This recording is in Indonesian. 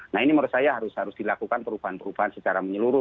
nah ini menurut saya harus dilakukan perubahan perubahan secara menyeluruh